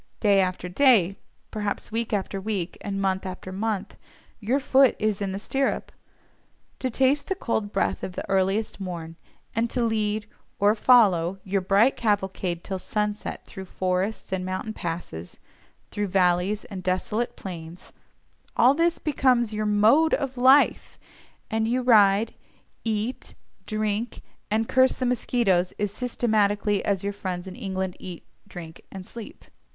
Day after day, perhaps week after week and month after month, your foot is in the stirrup. To taste the cold breath of the earliest morn, and to lead, or follow, your bright cavalcade till sunset through forests and mountain passes, through valleys and desolate plains, all this becomes your MODE OF LIFE, and you ride, eat, drink, and curse the mosquitoes as systematically as your friends in England eat, drink, and sleep.